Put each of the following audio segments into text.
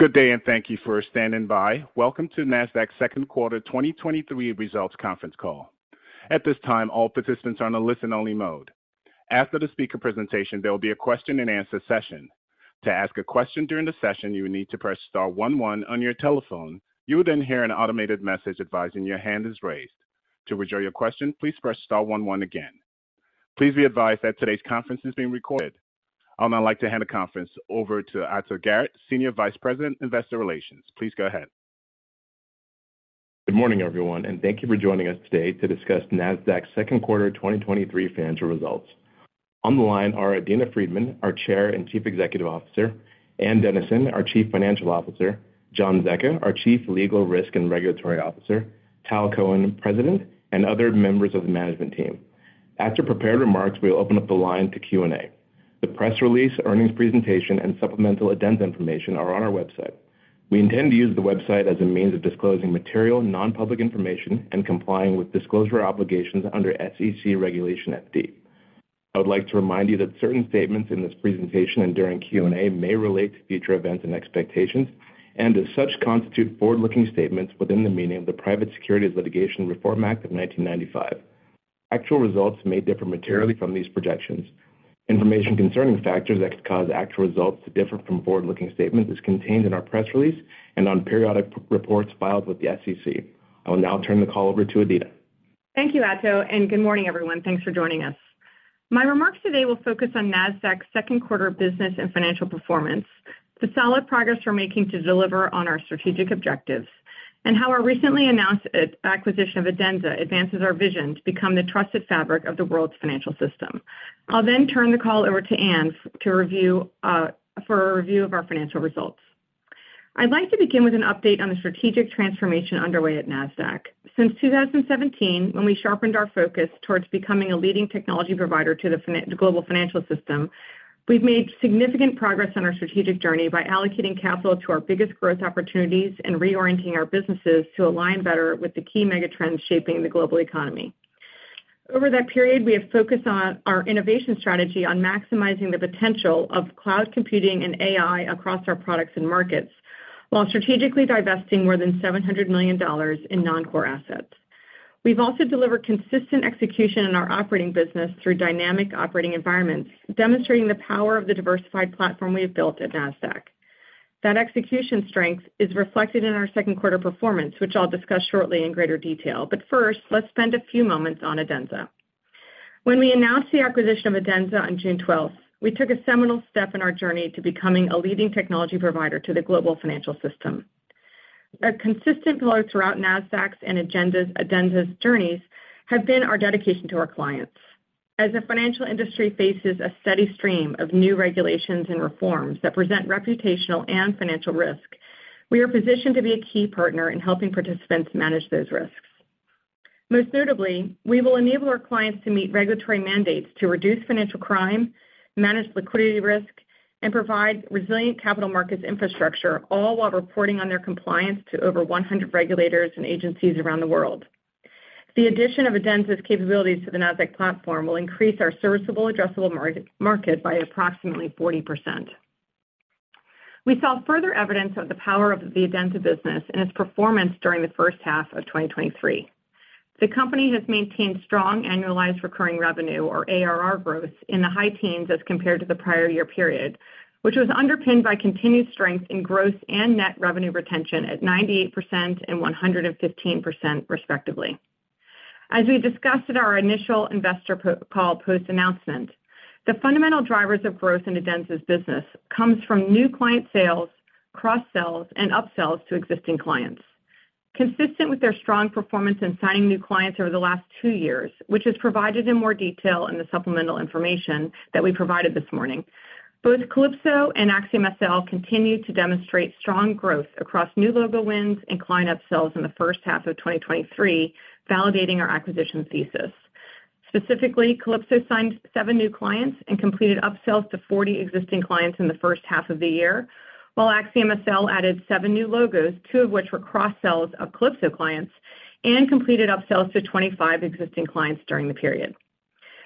Good day, and thank you for standing by. Welcome to Nasdaq's second quarter 2023 results conference call. At this time, all participants are on a listen-only mode. After the speaker presentation, there will be a question-and-answer session. To ask a question during the session, you will need to press star 11 on your telephone. You will then hear an automated message advising your hand is raised. To withdraw your question, please press star 11 again. Please be advised that today's conference is being recorded. I would now like to hand the conference over to Ato Garrett, Senior Vice President, Investor Relations. Please go ahead. Good morning, everyone. Thank you for joining us today to discuss Nasdaq's second quarter 2023 financial results. On the line are Adena Friedman, our Chair and Chief Executive Officer, Ann Dennison, our Chief Financial Officer, John Zecca, our Chief Legal, Risk, and Regulatory Officer, Tal Cohen, President, and other members of the management team. After prepared remarks, we'll open up the line to Q&A. The press release, earnings presentation, and supplemental Adenza information are on our website. We intend to use the website as a means of disclosing material, non-public information and complying with disclosure obligations under SEC Regulation FD. I would like to remind you that certain statements in this presentation and during Q&A may relate to future events and expectations, and as such, constitute forward-looking statements within the meaning of the Private Securities Litigation Reform Act of 1995. Actual results may differ materially from these projections. Information concerning factors that could cause actual results to differ from forward-looking statements is contained in our press release and on periodic reports filed with the SEC. I will now turn the call over to Adena. Thank you, Ato. Good morning, everyone. Thanks for joining us. My remarks today will focus on Nasdaq's second quarter business and financial performance, the solid progress we're making to deliver on our strategic objectives, and how our recently announced acquisition of Adenza advances our vision to become the trusted fabric of the world's financial system. I'll turn the call over to Ann to review for a review of our financial results. I'd like to begin with an update on the strategic transformation underway at Nasdaq. Since 2017, when we sharpened our focus towards becoming a leading technology provider to the global financial system, we've made significant progress on our strategic journey by allocating capital to our biggest growth opportunities and reorienting our businesses to align better with the key mega trends shaping the global economy. Over that period, we have focused on our innovation strategy, on maximizing the potential of cloud computing and AI across our products and markets, while strategically divesting more than $700 million in non-core assets. We've also delivered consistent execution in our operating business through dynamic operating environments, demonstrating the power of the diversified platform we have built at Nasdaq. That execution strength is reflected in our second quarter performance, which I'll discuss shortly in greater detail. First, let's spend a few moments on Adenza. When we announced the acquisition of Adenza on June 12th, we took a seminal step in our journey to becoming a leading technology provider to the global financial system. A consistent pillar throughout Nasdaq's and Adenza's journeys has been our dedication to our clients. As the financial industry faces a steady stream of new regulations and reforms that present reputational and financial risk, we are positioned to be a key partner in helping participants manage those risks. Most notably, we will enable our clients to meet regulatory mandates to reduce financial crime, manage liquidity risk, and provide resilient capital markets infrastructure, all while reporting on their compliance to over 100 regulators and agencies around the world. The addition of Adenza's capabilities to the Nasdaq platform will increase our serviceable addressable market by approximately 40%. We saw further evidence of the power of the Adenza business and its performance during the first half of 2023. The company has maintained strong annualized recurring revenue, or ARR, growth in the high teens as compared to the prior year period, which was underpinned by continued strength in growth and net revenue retention at 98% and 115%, respectively. As we discussed at our initial investor call post-announcement, the fundamental drivers of growth in Adenza's business comes from new client sales, cross-sells, and up-sells to existing clients. Consistent with their strong performance in signing new clients over the last two years, which is provided in more detail in the supplemental information that we provided this morning, both Calypso and AxiomSL continued to demonstrate strong growth across new logo wins and client up-sells in the first half of 2023, validating our acquisition thesis. Specifically, Calypso signed seven new clients and completed up-sells to 40 existing clients in the first half of the year, while AxiomSL added seven new logos, two of which were cross-sells of Calypso clients, and completed up-sells to 25 existing clients during the period.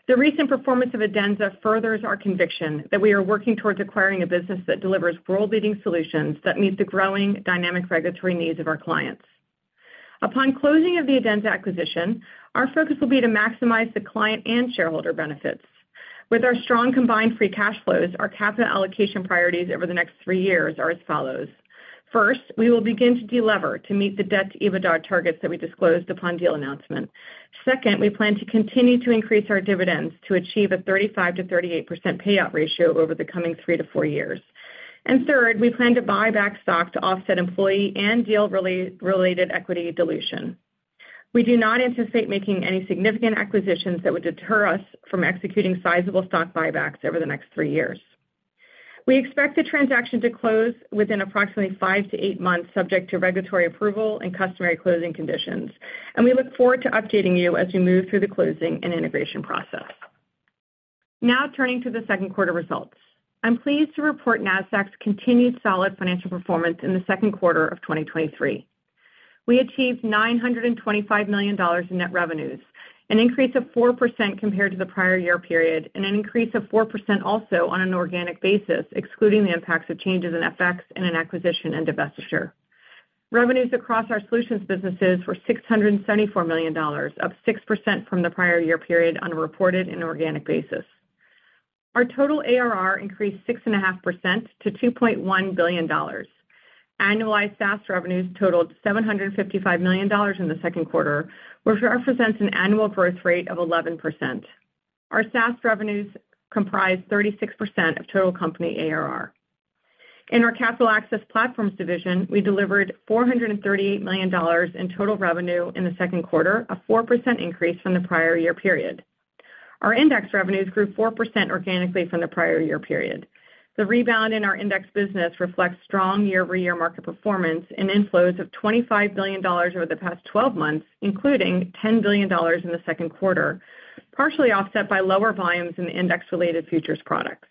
The recent performance of Adenza furthers our conviction that we are working towards acquiring a business that delivers world-leading solutions that meet the growing dynamic regulatory needs of our clients. Upon closing of the Adenza acquisition, our focus will be to maximize the client and shareholder benefits. With our strong combined free cash flows, our capital allocation priorities over the next three years are as follows: First, we will begin to delever to meet the debt-to-EBITDA targets that we disclosed upon deal announcement. Second, we plan to continue to increase our dividends to achieve a 35%-38% payout ratio over the coming three to four years. Third, we plan to buy back stock to offset employee and deal-related equity dilution. We do not anticipate making any significant acquisitions that would deter us from executing sizable stock buybacks over the next three years. We expect the transaction to close within approximately five to eight months, subject to regulatory approval and customary closing conditions. We look forward to updating you as we move through the closing and integration process. Turning to the second quarter results. I'm pleased to report Nasdaq's continued solid financial performance in the second quarter of 2023. We achieved $925 million in net revenues, an increase of 4% compared to the prior year period, an increase of 4% also on an organic basis, excluding the impacts of changes in FX and an acquisition and divestiture. Revenues across our solutions businesses were $674 million, up 6% from the prior year period on a reported and organic basis. Our total ARR increased 6.5% to $2.1 billion. Annualized SaaS revenues totaled $755 million in the second quarter, which represents an annual growth rate of 11%. Our SaaS revenues comprise 36% of total company ARR. In our Capital Access Platforms division, we delivered $438 million in total revenue in the second quarter, a 4% increase from the prior year period. Our index revenues grew 4% organically from the prior year period. The rebound in our index business reflects strong year-over-year market performance and inflows of $25 billion over the past 12 months, including $10 billion in the second quarter, partially offset by lower volumes in index-related futures products.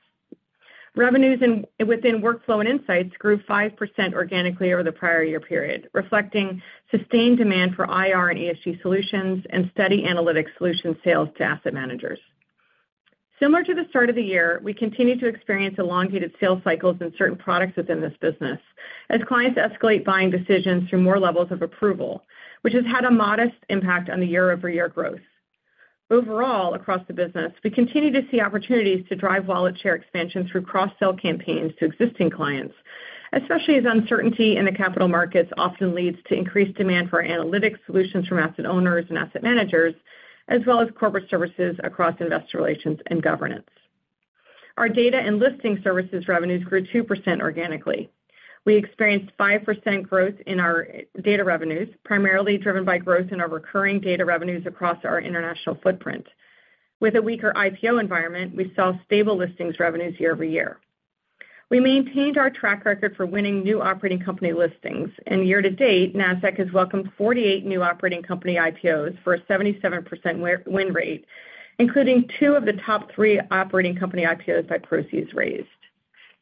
Revenues within workflow and insights grew 5% organically over the prior year period, reflecting sustained demand for IR and ESG solutions and steady analytic solution sales to asset managers. Similar to the start of the year, we continue to experience elongated sales cycles in certain products within this business, as clients escalate buying decisions through more levels of approval, which has had a modest impact on the year-over-year growth. Overall, across the business, we continue to see opportunities to drive wallet share expansion through cross-sell campaigns to existing clients, especially as uncertainty in the capital markets often leads to increased demand for analytics solutions from asset owners and asset managers, as well as corporate services across investor relations and governance. Our data and listing services revenues grew 2% organically. We experienced 5% growth in our data revenues, primarily driven by growth in our recurring data revenues across our international footprint. With a weaker IPO environment, we saw stable listings revenues year-over-year. Year to date, Nasdaq has welcomed 48 new operating company IPOs for a 77% win rate, including two of the top three operating company IPOs by proceeds raised.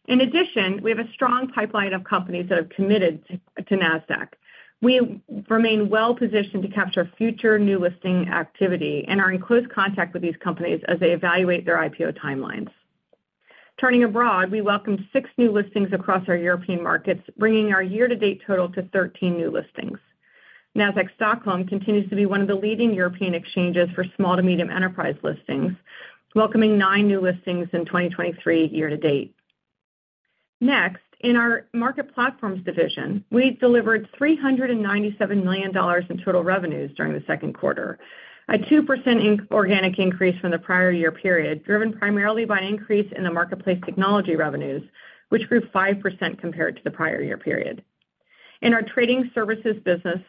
In addition, we have a strong pipeline of companies that have committed to Nasdaq. We remain well positioned to capture future new listing activity and are in close contact with these companies as they evaluate their IPO timelines. Turning abroad, we welcomed six new listings across our European markets, bringing our year-to-date total to 13 new listings. Nasdaq Stockholm continues to be one of the leading European exchanges for small to medium enterprise listings, welcoming nine new listings in 2023 year-to-date. Next, in our Market Platforms division, we delivered $397 million in total revenues during the second quarter, a 2% organic increase from the prior year period, driven primarily by an increase in the marketplace technology revenues, which grew 5% compared to the prior year period. In our trading services business,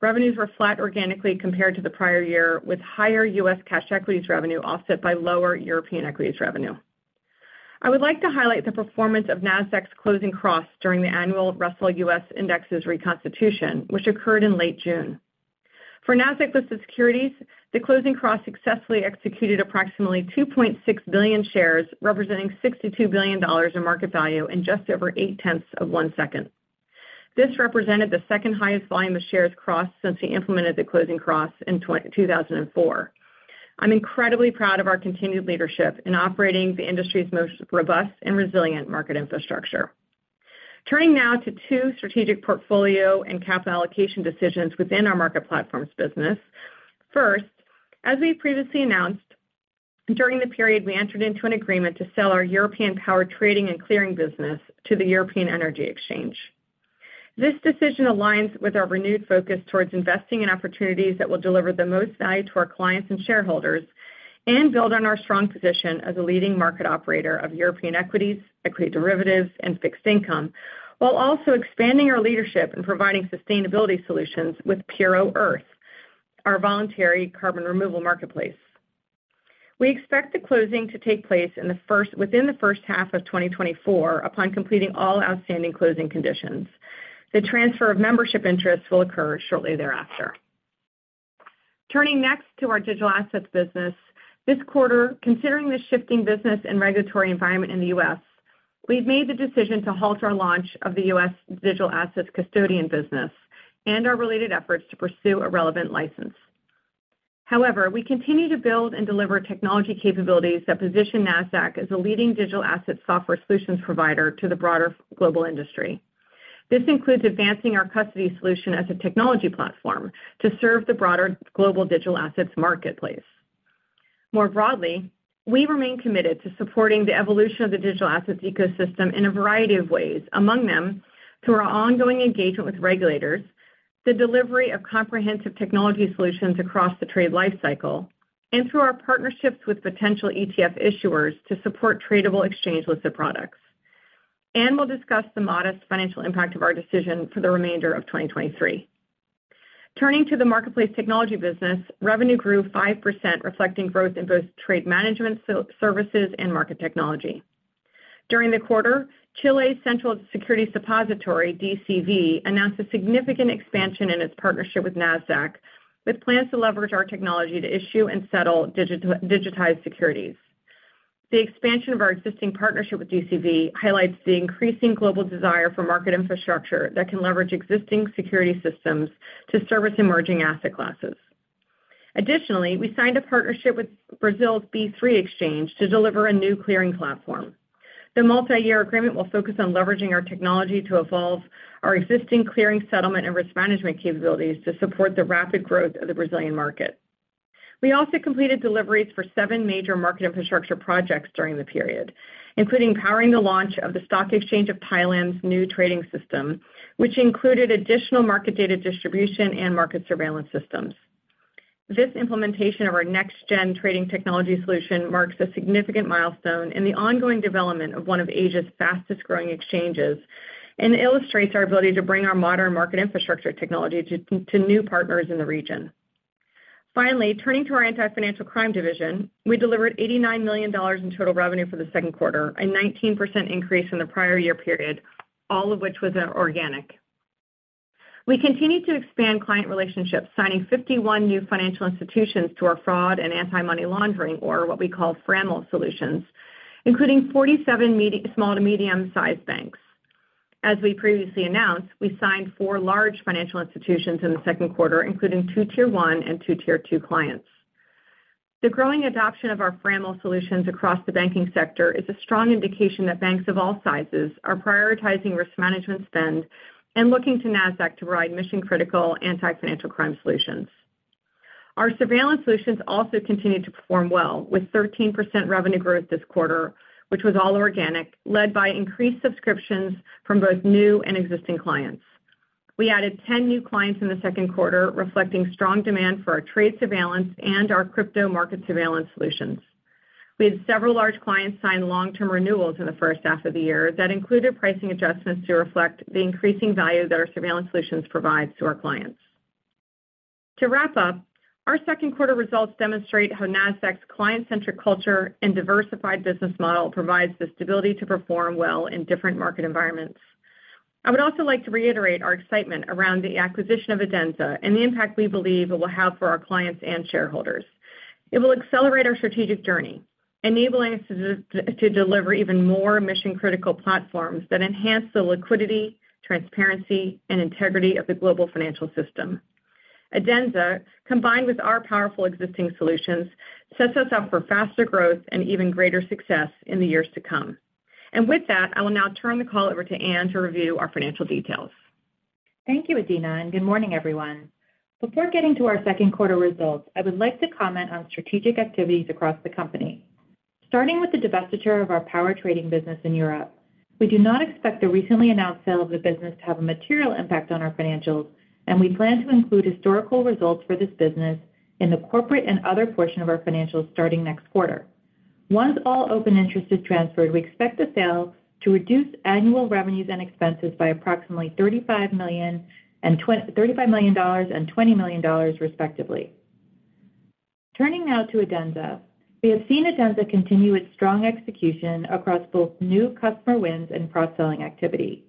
revenues were flat organically compared to the prior year, with higher US cash equities revenue offset by lower European equities revenue. I would like to highlight the performance of Nasdaq's Closing Cross during the annual Russell US Indexes reconstitution, which occurred in late June. For Nasdaq-listed securities, the Closing Cross successfully executed approximately 2.6 billion shares, representing $62 billion in market value in just over 0.8 seconds. This represented the second highest volume of shares crossed since we implemented the Closing Cross in 2004. I'm incredibly proud of our continued leadership in operating the industry's most robust and resilient market infrastructure. Turning now to 2 strategic portfolio and capital allocation decisions within our Market Platforms business. First, as we previously announced, during the period, we entered into an agreement to sell our European power trading and clearing business to the European Energy Exchange. This decision aligns with our renewed focus towards investing in opportunities that will deliver the most value to our clients and shareholders, and build on our strong position as a leading market operator of European equities, equity derivatives, and fixed income, while also expanding our leadership in providing sustainability solutions with Puro.earth, our voluntary carbon removal marketplace. We expect the closing to take place within the first half of 2024, upon completing all outstanding closing conditions. The transfer of membership interests will occur shortly thereafter. Turning next to our digital assets business. This quarter, considering the shifting business and regulatory environment in the U.S., we've made the decision to halt our launch of the U.S. digital assets custodian business and our related efforts to pursue a relevant license. However, we continue to build and deliver technology capabilities that position Nasdaq as a leading digital asset software solutions provider to the broader global industry. This includes advancing our custody solution as a technology platform to serve the broader global digital assets marketplace. More broadly, we remain committed to supporting the evolution of the digital assets ecosystem in a variety of ways, among them, through our ongoing engagement with regulators, the delivery of comprehensive technology solutions across the trade life cycle, and through our partnerships with potential ETF issuers to support tradable exchange-listed products. We'll discuss the modest financial impact of our decision for the remainder of 2023. Turning to the marketplace technology business, revenue grew 5%, reflecting growth in both trade management services and market technology. During the quarter, Chile's Central Securities Depository, DCV, announced a significant expansion in its partnership with Nasdaq, with plans to leverage our technology to issue and settle digitized securities. The expansion of our existing partnership with DCV highlights the increasing global desire for market infrastructure that can leverage existing security systems to service emerging asset classes. Additionally, we signed a partnership with Brazil's B3 Exchange to deliver a new clearing platform. The multi-year agreement will focus on leveraging our technology to evolve our existing clearing, settlement, and risk management capabilities to support the rapid growth of the Brazilian market. We also completed deliveries for seven major market infrastructure projects during the period, including powering the launch of the Stock Exchange of Thailand's new trading system, which included additional market data distribution and market surveillance systems. This implementation of our next-gen trading technology solution marks a significant milestone in the ongoing development of one of Asia's fastest-growing exchanges and illustrates our ability to bring our modern market infrastructure technology to new partners in the region. Finally, turning to our Anti-Financial Crime division, we delivered $89 million in total revenue for the second quarter, a 19% increase in the prior year period, all of which was organic. We continued to expand client relationships, signing 51 new financial institutions to our fraud and anti-money laundering, or what we call FRAML Solutions, including 47 small to medium-sized banks. As we previously announced, we signed four large financial institutions in the second quarter, including 2 Tier 1 and 2 Tier Two clients. The growing adoption of our FRAML Solutions across the banking sector is a strong indication that banks of all sizes are prioritizing risk management spend and looking to Nasdaq to provide mission-critical anti-financial crime solutions. Our surveillance solutions also continued to perform well, with 13% revenue growth this quarter, which was all organic, led by increased subscriptions from both new and existing clients. We added 10 new clients in the second quarter, reflecting strong demand for our trade surveillance and our crypto market surveillance solutions. We had several large clients sign long-term renewals in the first half of the year that included pricing adjustments to reflect the increasing value that our surveillance solutions provides to our clients. To wrap up, our second quarter results demonstrate how Nasdaq's client-centric culture and diversified business model provides the stability to perform well in different market environments. I would also like to reiterate our excitement around the acquisition of Adenza and the impact we believe it will have for our clients and shareholders. It will accelerate our strategic journey, enabling us to deliver even more mission-critical platforms that enhance the liquidity, transparency, and integrity of the global financial system. Adenza, combined with our powerful existing solutions, sets us up for faster growth and even greater success in the years to come. With that, I will now turn the call over to Ann to review our financial details. Thank you, Adena. Good morning, everyone. Before getting to our second quarter results, I would like to comment on strategic activities across the company. Starting with the divestiture of our power trading business in Europe, we do not expect the recently announced sale of the business to have a material impact on our financials. We plan to include historical results for this business in the corporate and other portion of our financials starting next quarter. Once all open interests are transferred, we expect the sale to reduce annual revenues and expenses by approximately $35 million and $20 million, respectively. Turning now to Adenza. We have seen Adenza continue its strong execution across both new customer wins and cross-selling activity.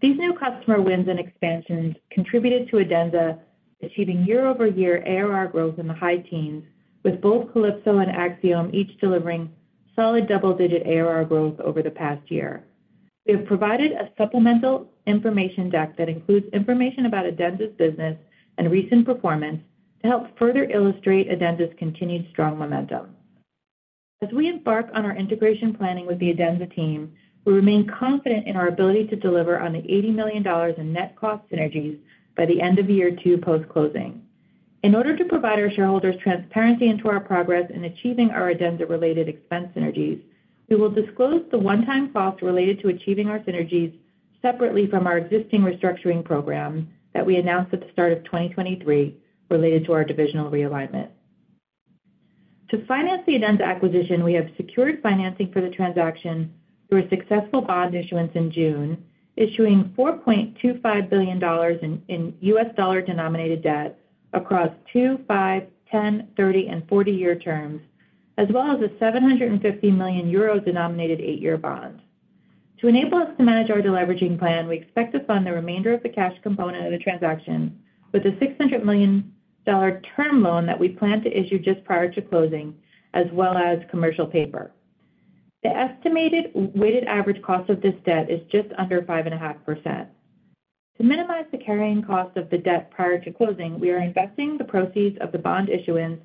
These new customer wins and expansions contributed to Adenza achieving year-over-year ARR growth in the high teens, with both Calypso and Axiom each delivering solid double-digit ARR growth over the past year. We have provided a supplemental information deck that includes information about Adenza's business and recent performance to help further illustrate Adenza's continued strong momentum. As we embark on our integration planning with the Adenza team, we remain confident in our ability to deliver on the $80 million in net cost synergies by the end of year two post-closing. In order to provide our shareholders transparency into our progress in achieving our Adenza-related expense synergies, we will disclose the one-time cost related to achieving our synergies separately from our existing restructuring program that we announced at the start of 2023 related to our divisional realignment. To finance the Adenza acquisition, we have secured financing for the transaction through a successful bond issuance in June, issuing $4.25 billion in U.S. dollar-denominated debt across 2, 5, 10, 30, and 40-year terms, as well as a 750 million euro-denominated eight-year bond. To enable us to manage our deleveraging plan, we expect to fund the remainder of the cash component of the transaction with a $600 million term loan that we plan to issue just prior to closing, as well as commercial paper. The estimated weighted average cost of this debt is just under 5.5%. To minimize the carrying cost of the debt prior to closing, we are investing the proceeds of the bond issuance,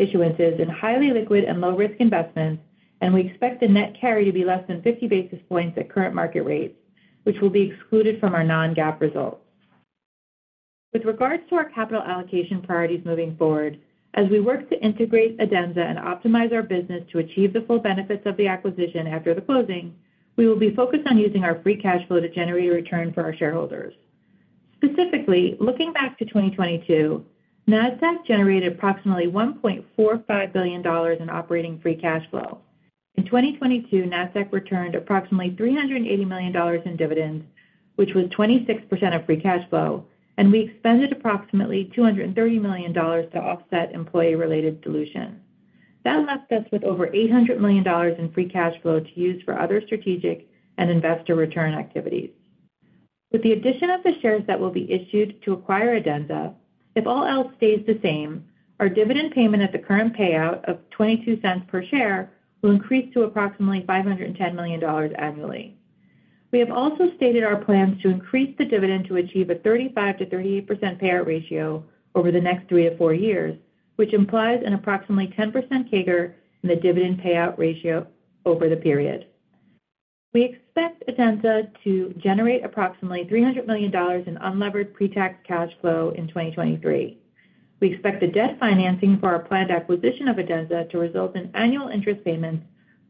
issuances in highly liquid and low-risk investments. We expect the net carry to be less than 50 basis points at current market rates, which will be excluded from our non-GAAP results. With regards to our capital allocation priorities moving forward, as we work to integrate Adenza and optimize our business to achieve the full benefits of the acquisition after the closing, we will be focused on using our free cash flow to generate a return for our shareholders. Specifically, looking back to 2022, Nasdaq generated approximately $1.45 billion in operating free cash flow. In 2022, Nasdaq returned approximately $380 million in dividends, which was 26% of free cash flow, and we expended approximately $230 million to offset employee-related dilution. That left us with over $800 million in free cash flow to use for other strategic and investor return activities. With the addition of the shares that will be issued to acquire Adenza, if all else stays the same, our dividend payment at the current payout of $0.22 per share will increase to approximately $510 million annually. We have also stated our plans to increase the dividend to achieve a 35%-38% payout ratio over the next 3-4 years, which implies an approximately 10% CAGR in the dividend payout ratio over the period. We expect Adenza to generate approximately $300 million in unlevered pre-tax cash flow in 2023. We expect the debt financing for our planned acquisition of Adenza to result in annual interest payments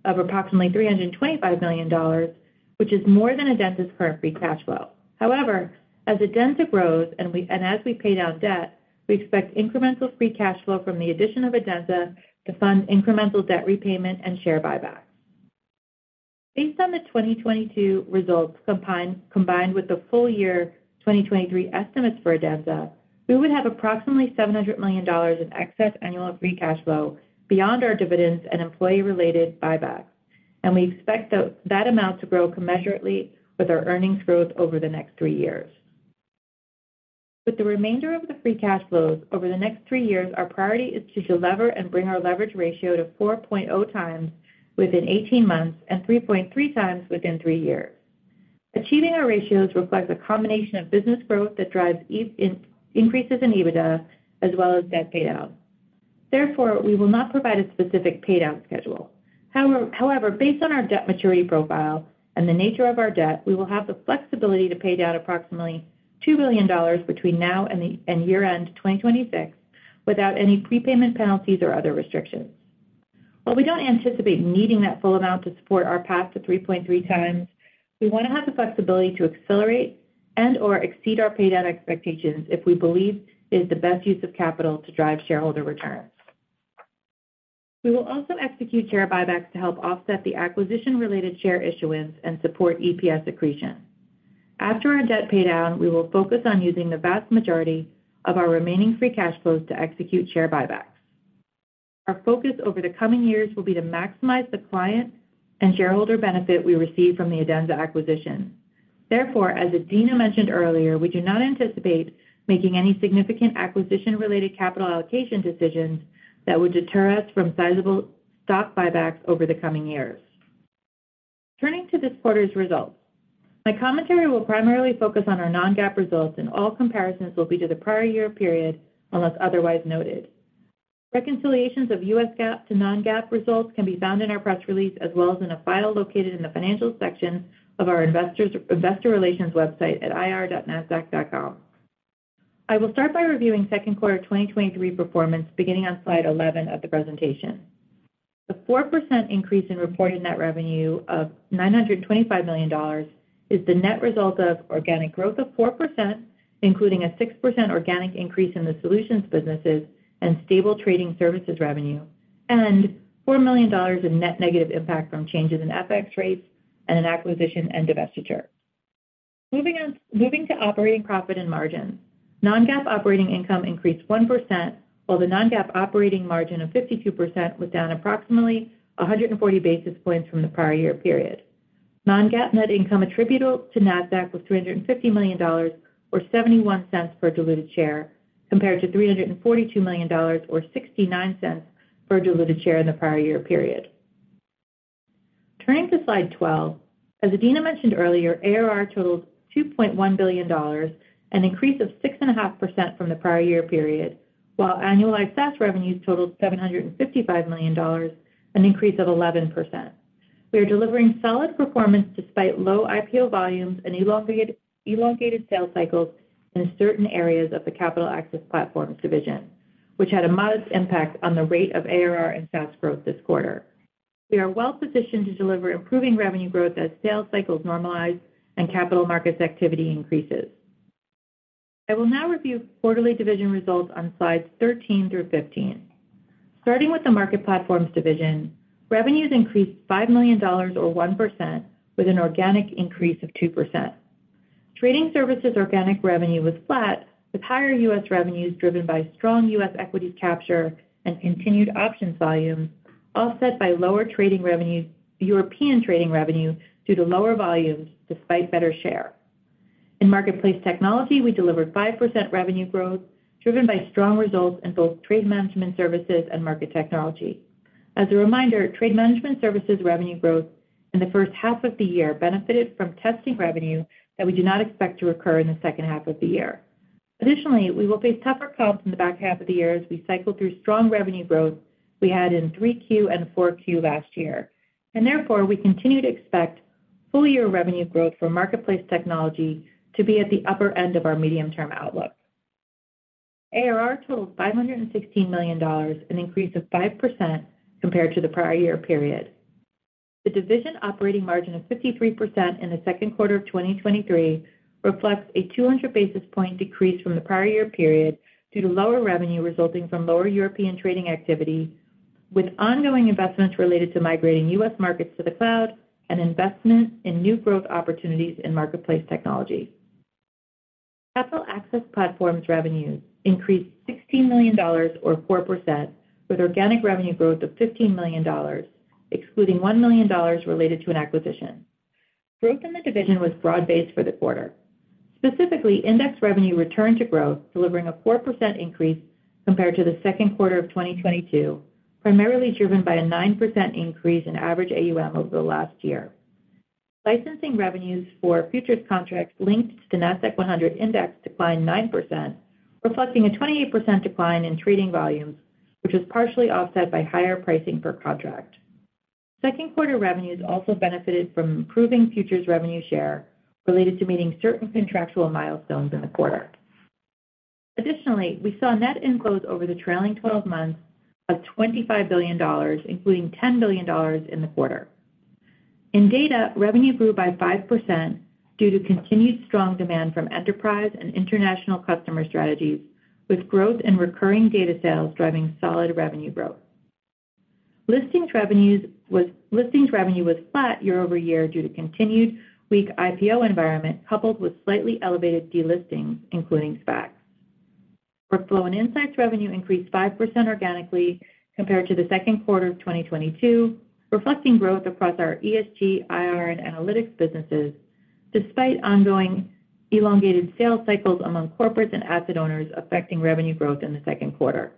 of approximately $325 million, which is more than Adenza's current free cash flow. However, as Adenza grows and as we pay down debt, we expect incremental free cash flow from the addition of Adenza to fund incremental debt repayment and share buybacks. Based on the 2022 results combined with the full year 2023 estimates for Adenza, we would have approximately $700 million in excess annual free cash flow beyond our dividends and employee-related buybacks, and we expect that amount to grow commensurately with our earnings growth over the next three years. With the remainder of the free cash flows over the next three years, our priority is to delever and bring our leverage ratio to 4.0x within 18 months and 3.3x within three years. Achieving our ratios reflects a combination of business growth that drives increases in EBITDA as well as debt paydown. Therefore, we will not provide a specific paydown schedule. However, based on our debt maturity profile and the nature of our debt, we will have the flexibility to pay down approximately $2 billion between now and year-end 2026, without any prepayment penalties or other restrictions. While we don't anticipate needing that full amount to support our path to 3.3x, we want to have the flexibility to accelerate and/or exceed our paydown expectations if we believe it is the best use of capital to drive shareholder returns. We will also execute share buybacks to help offset the acquisition-related share issuance and support EPS accretion. After our debt paydown, we will focus on using the vast majority of our remaining free cash flows to execute share buybacks. Our focus over the coming years will be to maximize the client and shareholder benefit we receive from the Adenza acquisition. Therefore, as Adena mentioned earlier, we do not anticipate making any significant acquisition-related capital allocation decisions that would deter us from sizable stock buybacks over the coming years. Turning to this quarter's results, my commentary will primarily focus on our non-GAAP results, and all comparisons will be to the prior year period, unless otherwise noted. Reconciliations of US GAAP to non-GAAP results can be found in our press release, as well as in a file located in the Financial section of our Investor Relations website at ir.nasdaq.com. I will start by reviewing second quarter 2023 performance, beginning on slide 11 of the presentation. The 4% increase in reported net revenue of $925 million is the net result of organic growth of 4%, including a 6% organic increase in the solutions businesses and stable trading services revenue, and $4 million in net negative impact from changes in FX rates and an acquisition and divestiture. Moving to operating profit and margins. Non-GAAP operating income increased 1%, while the non-GAAP operating margin of 52% was down approximately 140 basis points from the prior-year period. Non-GAAP net income attributable to Nasdaq was $350 million, or $0.71 per diluted share, compared to $342 million or $0.69 per diluted share in the prior-year period. Turning to slide 12. As Adena mentioned earlier, ARR totaled $2.1 billion, an increase of 6.5% from the prior-year period, while annualized SaaS revenues totaled $755 million, an increase of 11%. We are delivering solid performance despite low IPO volumes and elongated sales cycles in certain areas of the Capital Access Platforms division, which had a modest impact on the rate of ARR and SaaS growth this quarter. We are well positioned to deliver improving revenue growth as sales cycles normalize and capital markets activity increases. I will now review quarterly division results on slides thirteen through fifteen. Starting with the Market Platforms division, revenues increased $5 million or 1%, with an organic increase of 2%. Trading services organic revenue was flat, with higher U.S. revenues driven by strong U.S. equity capture and continued options volume, offset by lower European trading revenue due to lower volumes despite better share. In marketplace technology, we delivered 5% revenue growth, driven by strong results in both trade management services and market technology. As a reminder, trade management services revenue growth in the first half of the year benefited from testing revenue that we do not expect to recur in the second half of the year. Additionally, we will face tougher comps in the back half of the year as we cycle through strong revenue growth we had in 3Q and 4Q last year. Therefore, we continue to expect full-year revenue growth for Marketplace Technology to be at the upper end of our medium-term outlook. ARR totaled $516 million, an increase of 5% compared to the prior year period. The division operating margin of 53% in the second quarter of 2023 reflects a 200 basis point decrease from the prior year period due to lower revenue resulting from lower European trading activity, with ongoing investments related to migrating U.S. markets to the cloud and investments in new growth opportunities in Marketplace Technology.... Capital Access Platforms revenues increased $16 million or 4%, with organic revenue growth of $15 million, excluding $1 million related to an acquisition. Growth in the division was broad-based for the quarter. Specifically, index revenue returned to growth, delivering a 4% increase compared to the second quarter of 2022, primarily driven by a 9% increase in average AUM over the last year. Licensing revenues for futures contracts linked to the Nasdaq-100 Index declined 9%, reflecting a 28% decline in trading volumes, which was partially offset by higher pricing per contract. Second quarter revenues also benefited from improving futures revenue share related to meeting certain contractual milestones in the quarter. We saw net inflows over the trailing 12 months of $25 billion, including $10 billion in the quarter. In data, revenue grew by 5% due to continued strong demand from enterprise and international customer strategies, with growth in recurring data sales driving solid revenue growth. Listings revenue was flat year-over-year due to continued weak IPO environment, coupled with slightly elevated delistings, including SPACs. Workflow and Insights revenue increased 5% organically compared to the second quarter of 2022, reflecting growth across our ESG, IR, and analytics businesses, despite ongoing elongated sales cycles among corporates and asset owners, affecting revenue growth in the second quarter.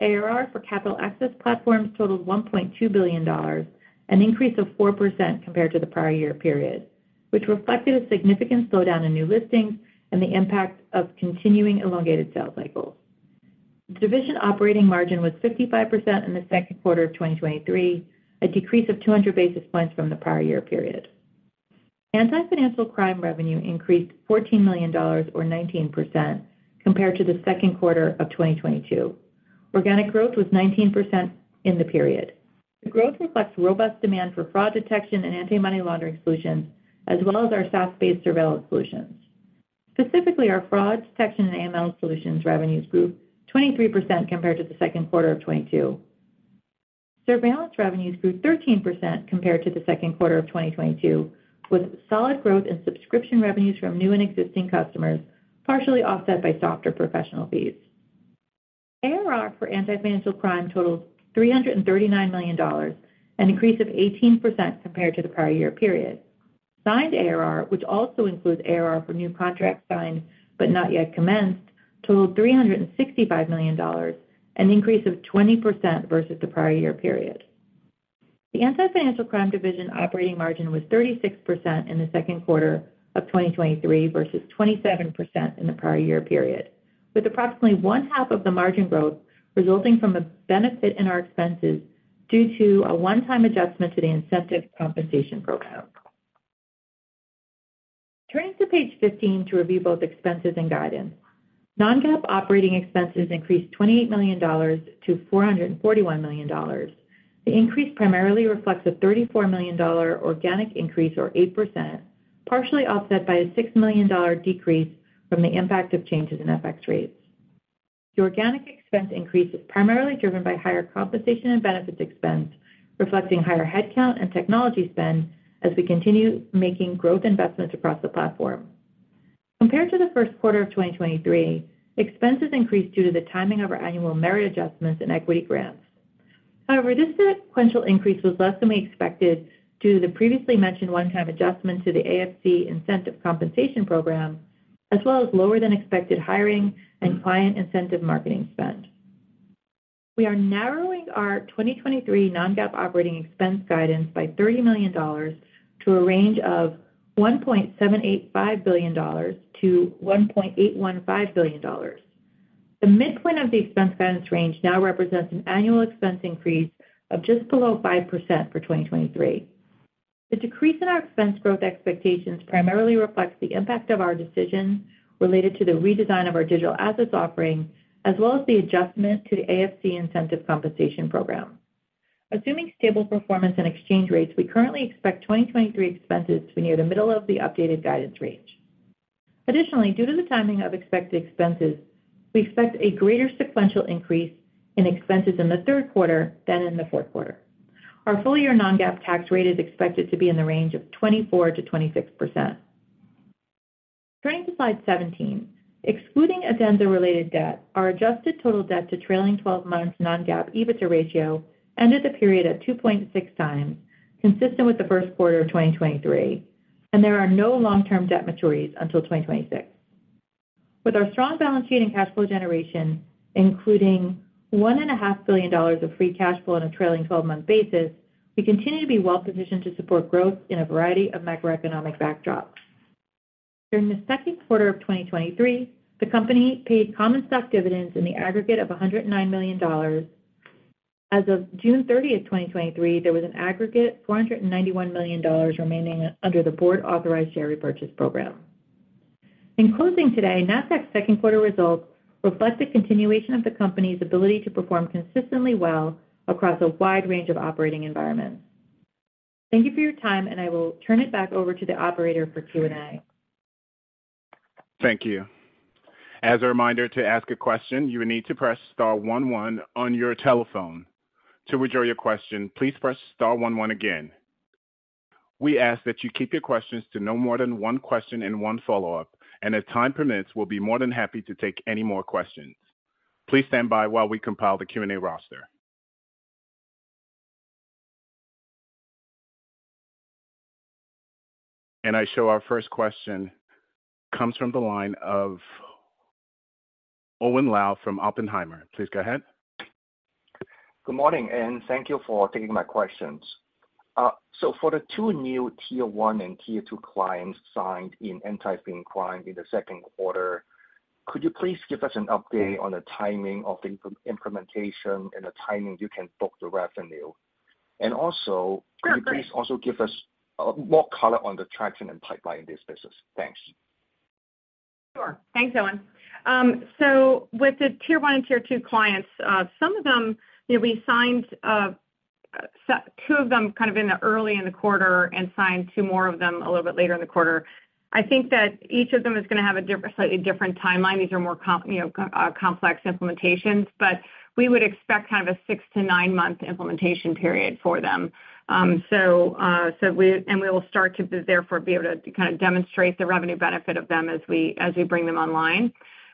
ARR for Capital Access Platforms totaled $1.2 billion, an increase of 4% compared to the prior year period, which reflected a significant slowdown in new listings and the impact of continuing elongated sales cycles. The division operating margin was 55% in the second quarter of 2023, a decrease of 200 basis points from the prior year period. Anti-Financial Crime revenue increased $14 million, or 19%, compared to the second quarter of 2022. Organic growth was 19% in the period. The growth reflects robust demand for fraud detection and anti-money laundering solutions, as well as our SaaS-based surveillance solutions. Specifically, our fraud detection and AML solutions revenues grew 23% compared to the second quarter of 2022. Surveillance revenues grew 13% compared to the second quarter of 2022, with solid growth in subscription revenues from new and existing customers, partially offset by softer professional fees. ARR for Anti-Financial Crime totaled $339 million, an increase of 18% compared to the prior year period. Signed ARR, which also includes ARR for new contracts signed but not yet commenced, totaled $365 million, an increase of 20% versus the prior year period. The Anti-Financial Crime Division operating margin was 36% in the second quarter of 2023, versus 27% in the prior year period, with approximately one half of the margin growth resulting from a benefit in our expenses due to a one-time adjustment to the incentive compensation program. Turning to page 15 to review both expenses and guidance. Non-GAAP operating expenses increased $28 million-$441 million. The increase primarily reflects a $34 million organic increase, or 8%, partially offset by a $6 million decrease from the impact of changes in FX rates. The organic expense increase is primarily driven by higher compensation and benefits expense, reflecting higher headcount and technology spend as we continue making growth investments across the platform. Compared to the first quarter of 2023, expenses increased due to the timing of our annual merit adjustments and equity grants. However, this sequential increase was less than we expected due to the previously mentioned one-time adjustment to the AFC incentive compensation program, as well as lower than expected hiring and client incentive marketing spend. We are narrowing our 2023 non-GAAP operating expense guidance by $30 million to a range of $1.785 billion-$1.815 billion. The midpoint of the expense guidance range now represents an annual expense increase of just below 5% for 2023. The decrease in our expense growth expectations primarily reflects the impact of our decision related to the redesign of our digital assets offering, as well as the adjustment to the AFC incentive compensation program. Assuming stable performance and exchange rates, we currently expect 2023 expenses to be near the middle of the updated guidance range. Additionally, due to the timing of expected expenses, we expect a greater sequential increase in expenses in the third quarter than in the fourth quarter. Our full-year non-GAAP tax rate is expected to be in the range of 24%-26%. Turning to slide 17. Excluding Adenza-related debt, our adjusted total debt to trailing twelve months non-GAAP EBITDA ratio ended the period at 2.6 times, consistent with the first quarter of 2023, and there are no long-term debt maturities until 2026. With our strong balance sheet and cash flow generation, including one and a half billion dollars of free cash flow on a trailing 12-month basis, we continue to be well positioned to support growth in a variety of macroeconomic backdrops. During the second quarter of 2023, the company paid common stock dividends in the aggregate of $109 million. As of June 30th, 2023, there was an aggregate $491 million remaining under the board-authorized share repurchase program. In closing today, Nasdaq's second quarter results reflect the continuation of the company's ability to perform consistently well across a wide range of operating environments. Thank you for your time. I will turn it back over to the operator for Q&A. Thank you. As a reminder, to ask a question, you will need to press star one one on your telephone. To withdraw your question, please press star one one again. We ask that you keep your questions to no more than one question and one follow-up, and if time permits, we'll be more than happy to take any more questions. Please stand by while we compile the Q&A roster. I show our first question comes from the line of Owen Lau from Oppenheimer. Please go ahead. Good morning, and thank you for taking my questions. For the two new Tier One and Tier Two clients signed in Anti-Fin Crime in the second quarter, could you please give us an update on the timing of the implementation and the timing you can book the revenue? also- Sure. Could you please also give us more color on the traction and pipeline in this business? Thanks. Sure. Thanks, Owen. With the Tier One and Tier Two clients, some of them, you know, we signed two of them kind of in the early in the quarter and signed two more of them a little bit later in the quarter. I think that each of them is gonna have a slightly different timeline. These are more, you know, complex implementations, but we would expect kind of a 6-9 month implementation period for them. We will start to therefore be able to kind of demonstrate the revenue benefit of them as we, as we bring them online.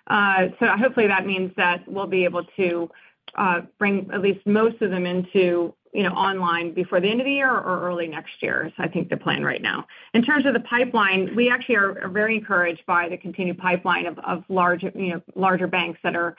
Hopefully, that means that we'll be able to bring at least most of them into, you know, online before the end of the year or early next year. I think the plan right now. In terms of the pipeline, we actually are very encouraged by the continued pipeline of large, you know, larger banks that are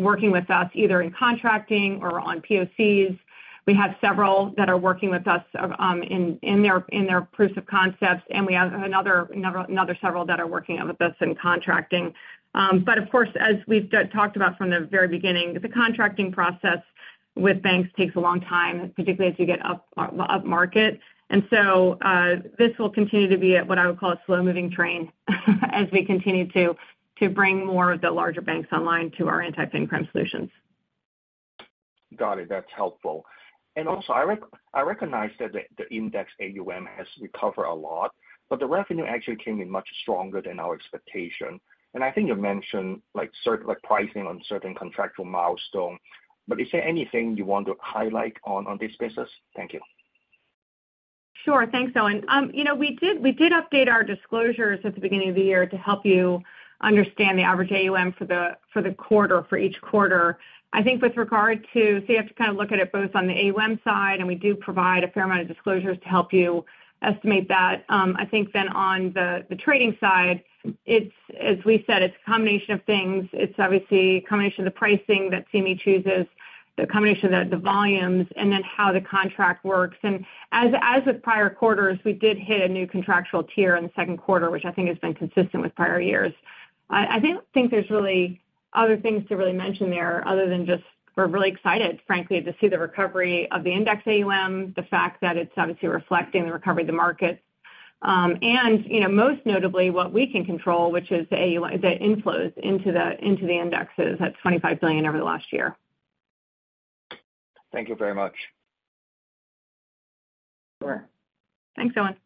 working with us, either in contracting or on POCs. We have several that are working with us in their proofs of concepts, and we have another several that are working with us in contracting. Of course, as we've talked about from the very beginning, the contracting process with banks takes a long time, particularly as you get up market. This will continue to be at what I would call a slow-moving train, as we continue to bring more of the larger banks online to our Anti-Financial Crime solutions. Got it. That's helpful. Also, I recognize that the index AUM has recovered a lot, but the revenue actually came in much stronger than our expectation. I think you mentioned like, pricing on certain contractual milestones. Is there anything you want to highlight on this business? Thank you. Sure. Thanks, Owen. You know, we did update our disclosures at the beginning of the year to help you understand the average AUM for the, for the quarter, for each quarter. You have to kind of look at it both on the AUM side, and we do provide a fair amount of disclosures to help you estimate that. I think then on the trading side, it's as we said, it's a combination of things. It's obviously a combination of the pricing that CME chooses, the combination of the volumes, and then how the contract works. As with prior quarters, we did hit a new contractual tier in the second quarter, which I think has been consistent with prior years. I don't think there's really other things to really mention there, other than just we're really excited, frankly, to see the recovery of the index AUM, the fact that it's obviously reflecting the recovery of the markets. You know, most notably, what we can control, which is the inflows into the indexes, at $25 billion over the last year. Thank you very much. Sure. Thanks, Owen.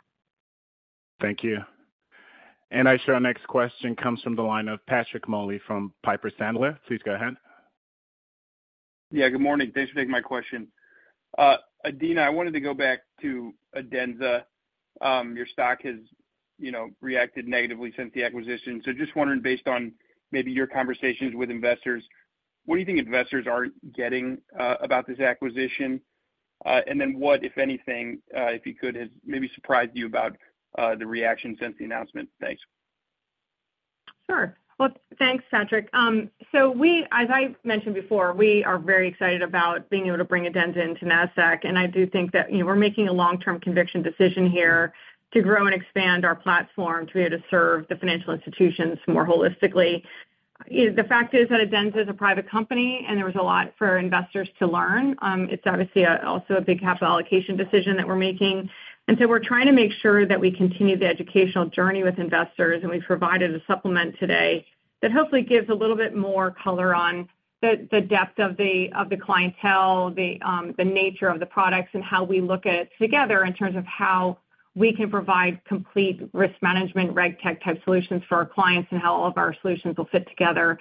Thank you. I show our next question comes from the line of Patrick Moley from Piper Sandler. Please go ahead. Yeah, good morning. Thanks for taking my question. Adena, I wanted to go back to Adenza. Your stock has, you know, reacted negatively since the acquisition. Just wondering, based on maybe your conversations with investors, what do you think investors aren't getting about this acquisition? What, if anything, if you could, has maybe surprised you about the reaction since the announcement? Thanks. Sure. Well, thanks, Patrick. As I've mentioned before, we are very excited about being able to bring Adenza into Nasdaq, I do think that, you know, we're making a long-term conviction decision here to grow and expand our platform to be able to serve the financial institutions more holistically. You know, the fact is that Adenza is a private company, there was a lot for investors to learn. It's obviously also a big capital allocation decision that we're making. We're trying to make sure that we continue the educational journey with investors, and we provided a supplement today that hopefully gives a little bit more color on the depth of the clientele, the nature of the products, and how we look at it together in terms of how we can provide complete risk management, RegTech type solutions for our clients, and how all of our solutions will fit together.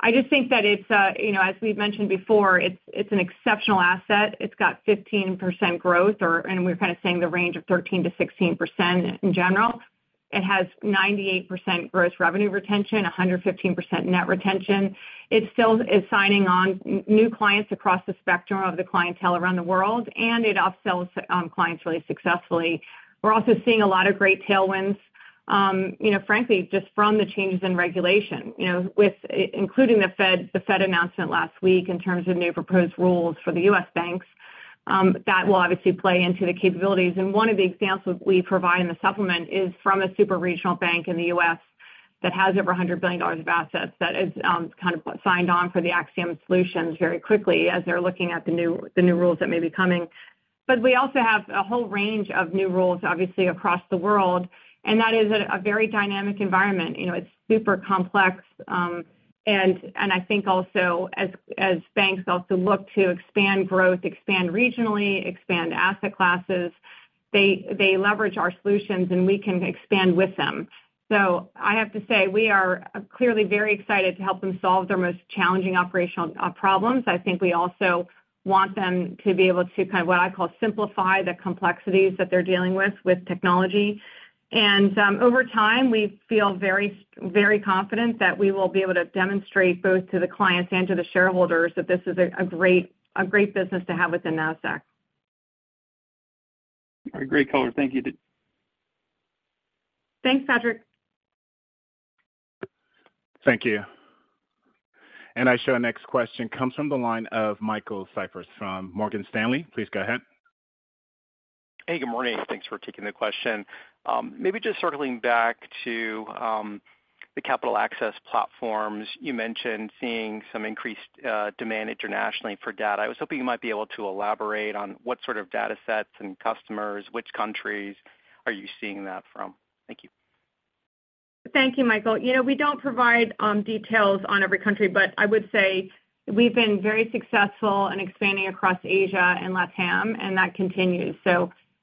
I just think that it's, you know, as we've mentioned before, it's an exceptional asset. It's got 15% growth. We're kind of saying the range of 13%-16% in general. It has 98% gross revenue retention, 115% net retention. It still is signing on new clients across the spectrum of the clientele around the world, and it upsells clients really successfully. We're also seeing a lot of great tailwinds, you know, frankly, just from the changes in regulation. You know, with including the Fed, the Fed announcement last week, in terms of new proposed rules for the U.S. banks, that will obviously play into the capabilities. One of the examples we provide in the supplement is from a super-regional bank in the U.S. that has over $100 billion of assets, that is kind of signed on for the AxiomSL solutions very quickly, as they're looking at the new, the new rules that may be coming. We also have a whole range of new rules, obviously, across the world, and that is a very dynamic environment. You know, it's super complex. And I think also as banks also look to expand growth, expand regionally, expand asset classes, they leverage our solutions, and we can expand with them. I have to say, we are clearly very excited to help them solve their most challenging operational problems. I think we also want them to be able to kind of, what I call, simplify the complexities that they're dealing with technology. Over time, we feel very, very confident that we will be able to demonstrate both to the clients and to the shareholders that this is a great business to have within Nasdaq. Great color. Thank you. Thanks, Patrick. Thank you. I show our next question comes from the line of Michael Cyprys from Morgan Stanley. Please go ahead. Hey, good morning. Thanks for taking the question. maybe just circling back to the Capital Access Platforms. You mentioned seeing some increased demand internationally for data. I was hoping you might be able to elaborate on what sort of data sets and customers, which countries are you seeing that from? Thank you. Thank you, Michael. You know, we don't provide details on every country, but I would say we've been very successful in expanding across Asia and LATAM, and that continues.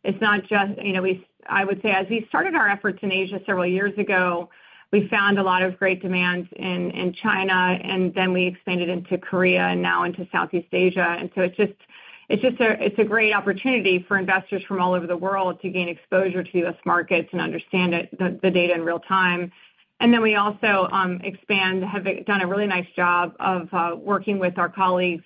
It's not just, you know, I would say, as we started our efforts in Asia several years ago, we found a lot of great demand in China, and then we expanded into Korea and now into Southeast Asia. It's just it's a great opportunity for investors from all over the world to gain exposure to U.S. markets and understand it, the data in real time. Then we also expand, have done a really nice job of working with our colleagues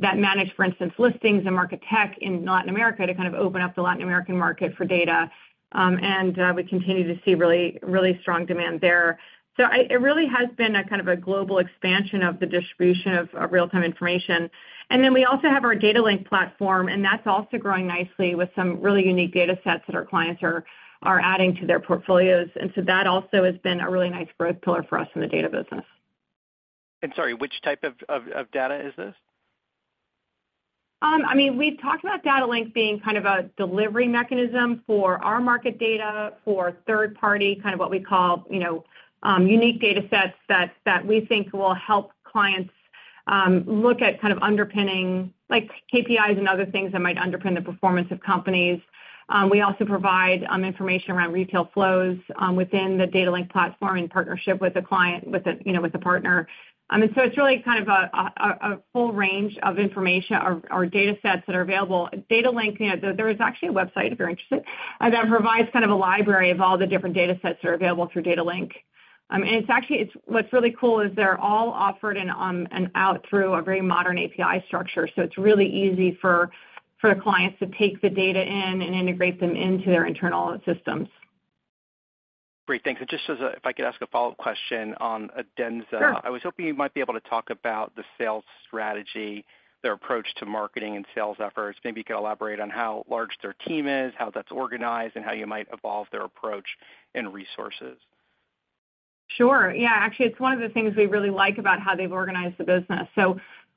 that manage, for instance, listings and market tech in Latin America to kind of open up the Latin American market for data. We continue to see really, really strong demand there. It really has been a kind of a global expansion of the distribution of real-time information. We also have our Data Link platform, and that's also growing nicely with some really unique data sets that our clients are adding to their portfolios. That also has been a really nice growth pillar for us in the data business. Sorry, which type of data is this? I mean, we've talked about DataLink being kind of a delivery mechanism for our market data, for third party, kind of what we call, you know, unique data sets that we think will help clients, look at kind of underpinning, like, KPIs and other things that might underpin the performance of companies. We also provide, information around retail flows, within the DataLink platform in partnership with the client, with the partner. It's really kind of a full range of information or data sets that are available. DataLink, you know, there is actually a website, if you're interested, that provides kind of a library of all the different data sets that are available through DataLink. It's actually, what's really cool is they're all offered in and out through a very modern API structure. It's really easy for the clients to take the data in and integrate them into their internal systems. Great, thanks. If I could ask a follow-up question on Adenza. Sure. I was hoping you might be able to talk about the sales strategy, their approach to marketing and sales efforts. Maybe you could elaborate on how large their team is, how that's organized, and how you might evolve their approach and resources? Sure. Yeah, actually, it's one of the things we really like about how they've organized the business.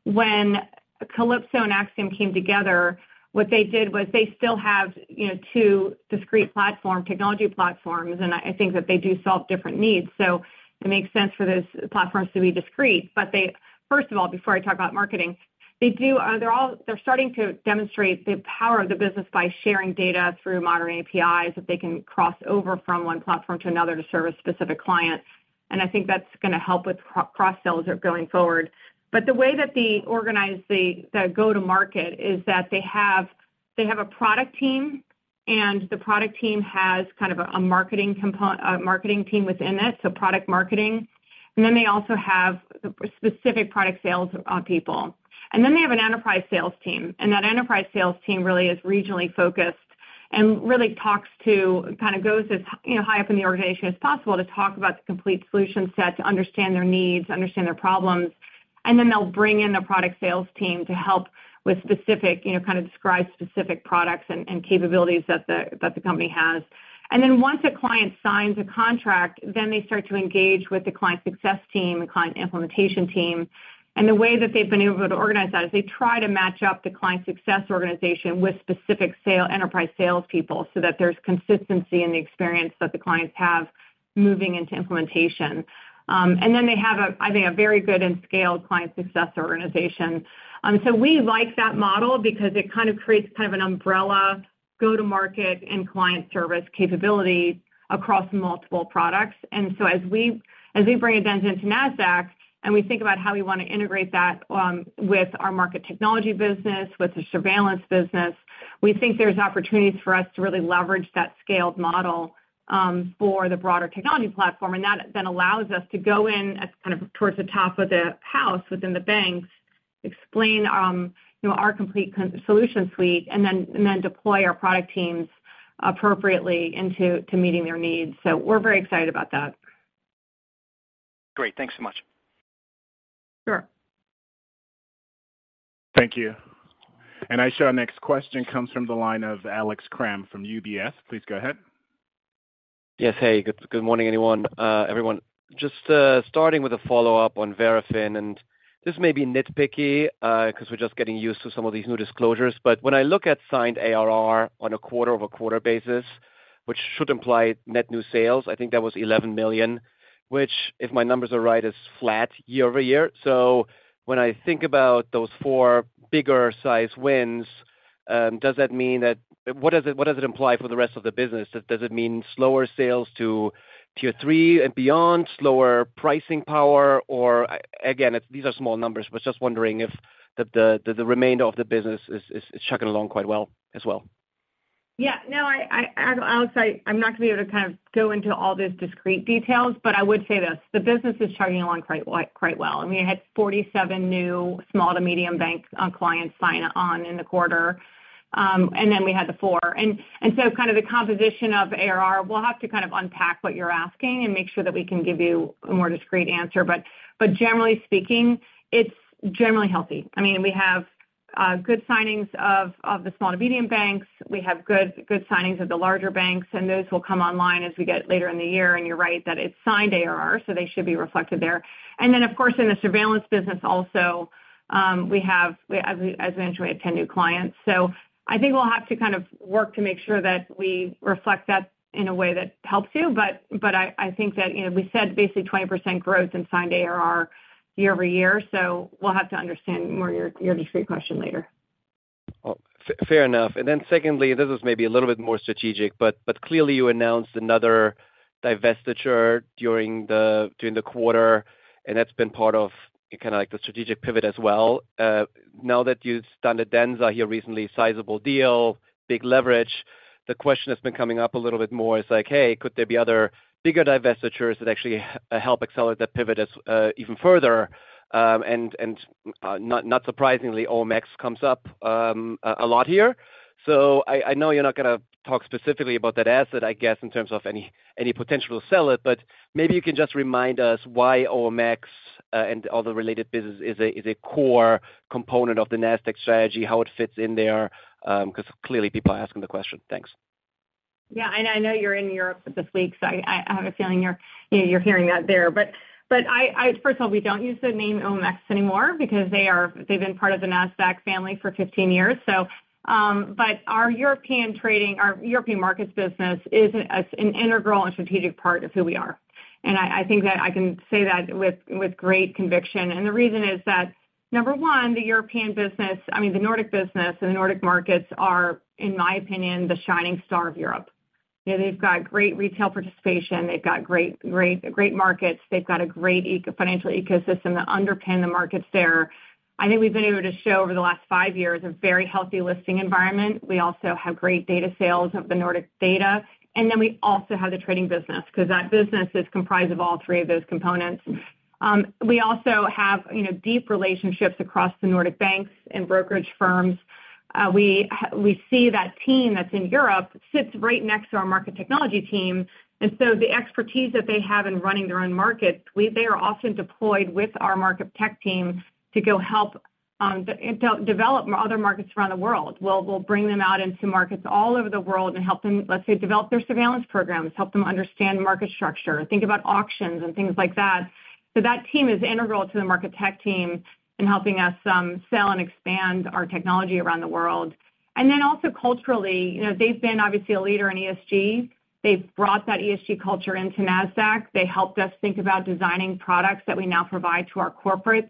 When Calypso and Axiom came together, what they did was they still have, you know, two discrete platform, technology platforms, and I think that they do solve different needs. It makes sense for those platforms to be discrete. They, first of all, before I talk about marketing, they do, they're starting to demonstrate the power of the business by sharing data through modern APIs, that they can cross over from one platform to another to service specific clients. I think that's gonna help with cross sales are going forward. The way that the organizate the go-to-market is that they have, they have a product team, and the product team has kind of a marketing team within it, so product marketing. They also have specific product sales people. They have an enterprise sales team, and that enterprise sales team really is regionally focused and really talks to, kind of goes as, you know, high up in the organization as possible to talk about the complete solution set, to understand their needs, understand their problems, and then they'll bring in the product sales team to help with specific, you know, kind of describe specific products and capabilities that the company has. Once a client signs a contract, then they start to engage with the client success team, the client implementation team. The way that they've been able to organize that, is they try to match up the client success organization with specific enterprise salespeople, so that there's consistency in the experience that the clients have moving into implementation. Then they have a, I think, a very good and scaled client success organization. We like that model because it kind of creates kind of an umbrella, go-to-market, and client service capability across multiple products. As we bring Adenza into Nasdaq, and we think about how we want to integrate that, with our market technology business, with the surveillance business, we think there's opportunities for us to really leverage that scaled model, for the broader technology platform. That then allows us to go in at, kind of, towards the top of the house within the banks, explain, you know, our complete solution suite, and then deploy our product teams appropriately into to meeting their needs. We're very excited about that. Great. Thanks so much. Sure. Thank you. I show our next question comes from the line of Alex Kramm from UBS. Please go ahead. Yes, hey, good morning, everyone. Just starting with a follow-up on Verafin, and this may be nitpicky because we're just getting used to some of these new disclosures, but when I look at signed ARR on a quarter-over-quarter basis, which should imply net new sales, I think that was $11 million, which, if my numbers are right, is flat year-over-year. When I think about those four bigger size wins, what does it imply for the rest of the business? Does it mean slower sales to Tier Three and beyond, slower pricing power, or again, these are small numbers, but just wondering if the remainder of the business is chugging along quite well as well? Yeah, no, Alex, I'm not gonna be able to kind of go into all those discrete details, but I would say this, the business is chugging along quite well. I mean, it had 47 new small to medium banks on client sign on in the quarter, and then we had the 4. Kind of the composition of ARR, we'll have to kind of unpack what you're asking and make sure that we can give you a more discrete answer. Generally speaking, it's generally healthy. I mean, we have good signings of the small to medium banks. We have good signings of the larger banks, and those will come online as we get later in the year. You're right, that it's signed ARR, so they should be reflected there. Of course, in the surveillance business also, we have, as we mentioned, we have 10 new clients. I think we'll have to kind of work to make sure that we reflect that in a way that helps you. But I think that, you know, we said basically 20% growth in signed ARR year-over-year, so we'll have to understand more your discrete question later. Well, fair enough. Secondly, this is maybe a little bit more strategic, but clearly, you announced another divestiture during the quarter, and that's been part of kind of like the strategic pivot as well. Now that you've done Adenza, your recently sizable deal, big leverage, the question that's been coming up a little bit more is like, "Hey, could there be other bigger divestitures that actually help accelerate that pivot as even further?" And not surprisingly, OMX comes up a lot here. I know you're not gonna talk specifically about that asset, I guess, in terms of any potential to sell it, but maybe you can just remind us why OMX and all the related business is a core component of the Nasdaq strategy, how it fits in there, 'cause clearly people are asking the question. Thanks. I know you're in Europe this week, so I have a feeling you're hearing that there. I, first of all, we don't use the name OMX anymore because they've been part of the Nasdaq family for 15 years, so. Our European trading, our European markets business is an integral and strategic part of who we are, and I think that I can say that with great conviction. The reason is that, number one, the European business, I mean, the Nordic business and the Nordic markets are, in my opinion, the shining star of Europe. You know, they've got great retail participation, they've got great markets, they've got a great eco-financial ecosystem that underpin the markets there. I think we've been able to show over the last five years a very healthy listing environment. We also have great data sales of the Nordic data, and then we also have the trading business, 'cause that business is comprised of all three of those components. We also have, you know, deep relationships across the Nordic banks and brokerage firms. We see that team that's in Europe, sits right next to our market technology team. The expertise that they have in running their own markets, they are often deployed with our market tech team to go help develop other markets around the world. We'll bring them out into markets all over the world and help them, let's say, develop their surveillance programs, help them understand market structure, think about auctions and things like that. That team is integral to the market tech team in helping us sell and expand our technology around the world. Also culturally, you know, they've been obviously a leader in ESG. They've brought that ESG culture into Nasdaq. They helped us think about designing products that we now provide to our corporates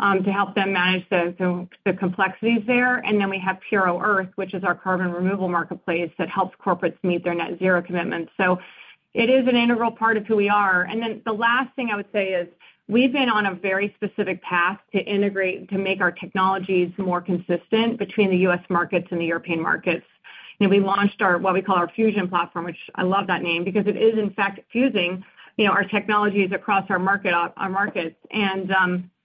to help them manage the complexities there. We have Puro.earth, which is our carbon removal marketplace that helps corporates meet their net zero commitments. It is an integral part of who we are. The last thing I would say is, we've been on a very specific path to integrate, to make our technologies more consistent between the U.S. markets and the European markets. You know, we launched our, what we call our Fusion platform, which I love that name, because it is, in fact, fusing, you know, our technologies across our market, our markets.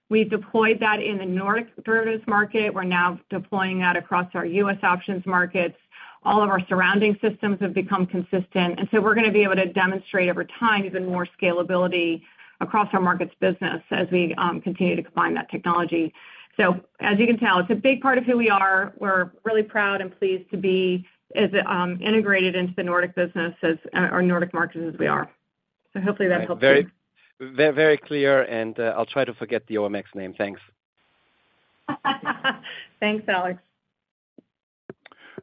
We deployed that in the Nordic derivatives market. We're now deploying that across our U.S. options markets. All of our surrounding systems have become consistent. We're gonna be able to demonstrate over time, even more scalability across our markets business as we continue to combine that technology. As you can tell, it's a big part of who we are. We're really proud and pleased to be as integrated into the Nordic business as, or Nordic markets, as we are. Hopefully that helps you. Very clear, and, I'll try to forget the OMX name. Thanks. Thanks, Alex.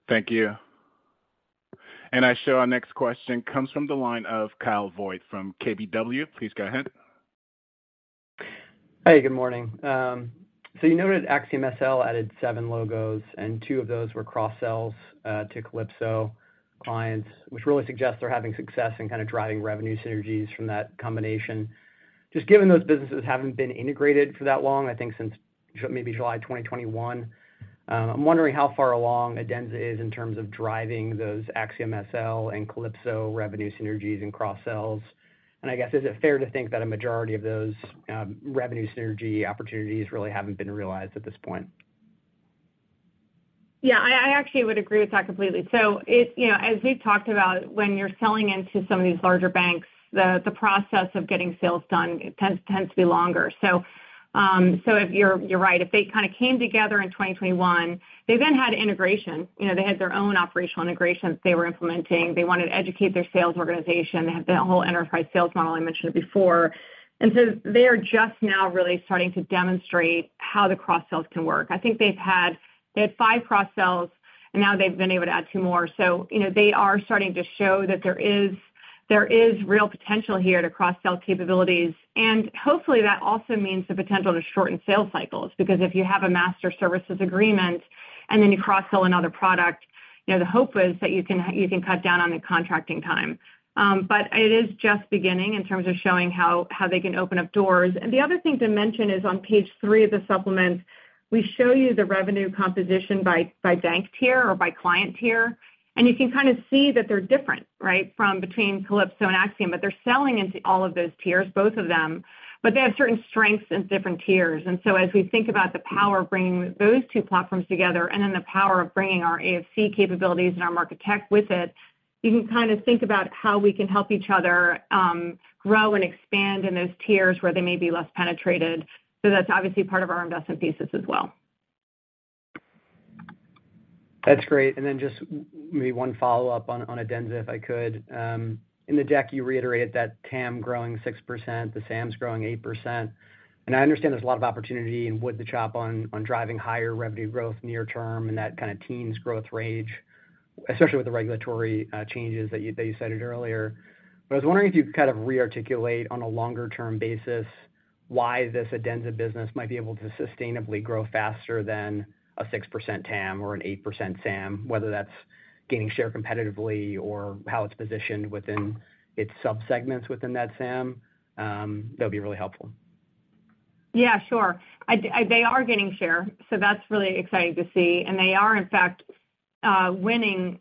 Thank you. I show our next question comes from the line of Kyle Voigt from KBW. Please go ahead. Hey, good morning. You noted AxiomSL added seven logos, and two of those were cross-sells, to Calypso clients, which really suggests they're having success in kind of driving revenue synergies from that combination. Just given those businesses haven't been integrated for that long, I think since maybe July 2021, I'm wondering how far along Adenza is in terms of driving those AxiomSL and Calypso revenue synergies and cross-sells. I guess, is it fair to think that a majority of those, revenue synergy opportunities really haven't been realized at this point? Yeah, I actually would agree with that completely. You know, as we've talked about, when you're selling into some of these larger banks, the process of getting sales done tends to be longer. You're right, if they kind of came together in 2021, they then had integration. You know, they had their own operational integrations they were implementing. They wanted to educate their sales organization. They had that whole enterprise sales model I mentioned before. They are just now really starting to demonstrate how the cross-sells can work. I think they've had five cross-sells, and now they've been able to add two more. You know, they are starting to show that there is real potential here to cross-sell capabilities. Hopefully, that also means the potential to shorten sales cycles, because if you have a master services agreement and then you cross-sell another product. You know, the hope is that you can cut down on the contracting time. It is just beginning in terms of showing how they can open up doors. The other thing to mention is on page 3 of the supplement, we show you the revenue composition by bank tier or by client tier, and you can kind of see that they're different, right? From between Calypso and Axiom, they're selling into all of those tiers, both of them. They have certain strengths in different tiers. As we think about the power of bringing those two platforms together, and then the power of bringing our AFC capabilities and our market tech with it, you can kind of think about how we can help each other, grow and expand in those tiers where they may be less penetrated. That's obviously part of our investment thesis as well. That's great. Then just maybe one follow-up on Adenza, if I could. In the deck, you reiterated that TAM growing 6%, the SAM's growing 8%, and I understand there's a lot of opportunity in wood to chop on driving higher revenue growth near term and that kind of teens growth range, especially with the regulatory changes that you, that you cited earlier. I was wondering if you'd kind of re-articulate on a longer-term basis, why this Adenza business might be able to sustainably grow faster than a 6% TAM or an 8% SAM, whether that's gaining share competitively or how it's positioned within its subsegments within that SAM, that'd be really helpful. Yeah, sure. They are gaining share, that's really exciting to see. They are, in fact, winning,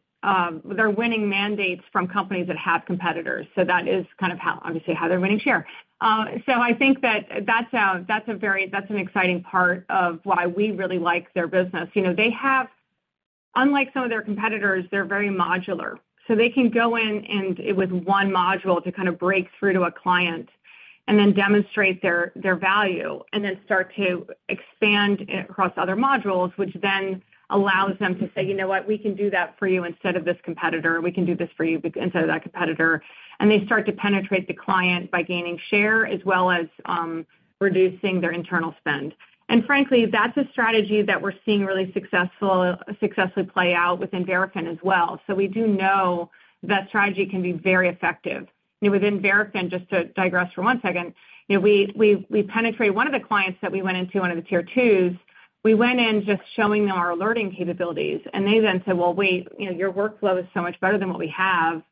they're winning mandates from companies that have competitors, that is kind of how, obviously, how they're winning share. I think that that's an exciting part of why we really like their business. You know, they have, unlike some of their competitors, they're very modular. They can go in, and with one module, to kind of break through to a client and then demonstrate their value, and then start to expand across other modules, which then allows them to say, "You know what? We can do that for you instead of this competitor. We can do this for you instead of that competitor." They start to penetrate the client by gaining share, as well as reducing their internal spend. Frankly, that's a strategy that we're seeing really successfully play out within Verafin as well. We do know that strategy can be very effective. Within Verafin, just to digress for one second, you know, we penetrate one of the clients that we went into, one of the Tier Twos, we went in just showing them our alerting capabilities, and they then said: Well, wait, you know, your workflow is so much better than what we have.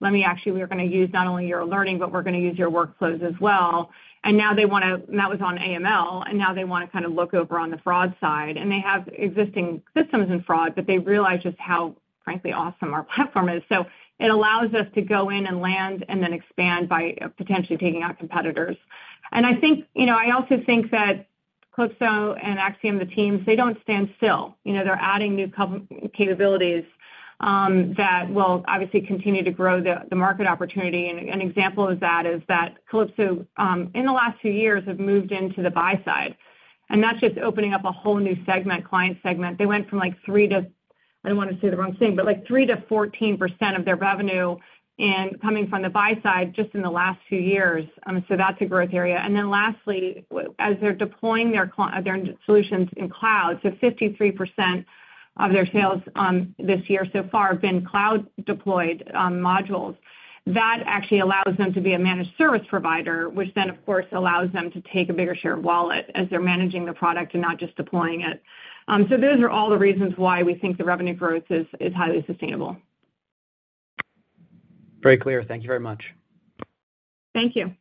Let me actually, we're gonna use not only your alerting, but we're gonna use your workflows as well. Now they wanna, and that was on AML, and now they wanna kind of look over on the fraud side. They have existing systems in fraud, but they realize just how, frankly, awesome our platform is. It allows us to go in and land and then expand by potentially taking out competitors. I think, you know, I also think that Calypso and Axiom, the teams, they don't stand still. You know, they're adding new capabilities that will obviously continue to grow the market opportunity. An example of that is that Calypso in the last few years have moved into the buy side. That's just opening up a whole new segment, client segment. They went from, like, I don't want to say the wrong thing, but, like, 3%-14% of their revenue and coming from the buy side just in the last few years. That's a growth area. Lastly, as they're deploying their solutions in cloud, 53% of their sales this year so far have been cloud-deployed modules. That actually allows them to be a managed service provider, which then, of course, allows them to take a bigger share of wallet as they're managing the product and not just deploying it. Those are all the reasons why we think the revenue growth is highly sustainable. Very clear. Thank you very much. Thank you.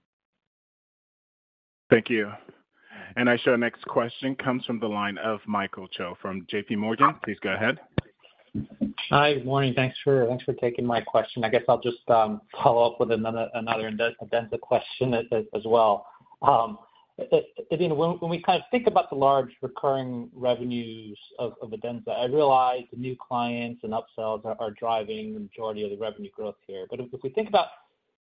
Thank you. I show our next question comes from the line of Michael Cho from JPMorgan. Please go ahead. Hi, good morning. Thanks for taking my question. I guess I'll just follow up with another Adenza question as well. Adena, when we kind of think about the large recurring revenues of Adenza, I realize the new clients and upsells are driving the majority of the revenue growth here. If we think about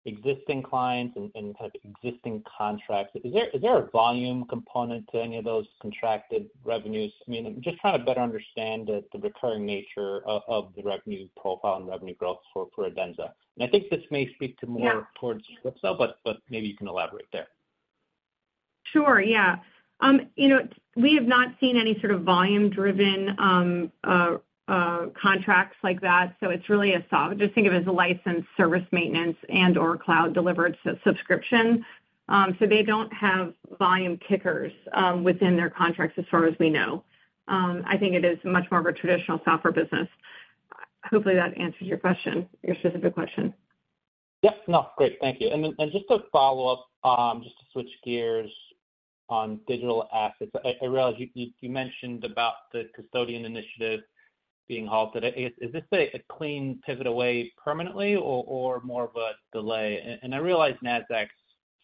existing clients and kind of existing contracts, is there a volume component to any of those contracted revenues? I mean, just trying to better understand the recurring nature of the revenue profile and revenue growth for Adenza. I think this may speak to more. Yeah towards Calypso, but maybe you can elaborate there. Sure, yeah. You know, we have not seen any sort of volume-driven contracts like that. Just think of it as a license, service maintenance, and/or cloud-delivered subscription. They don't have volume kickers within their contracts as far as we know. I think it is much more of a traditional software business. Hopefully, that answers your question, your specific question. Yep, no. Great. Thank you. Then, just to follow up, just to switch gears on digital assets. I realize you mentioned about the custodian initiative being halted. Is this a clean pivot away permanently or more of a delay? I realize Nasdaq's